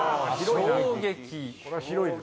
「衝撃」。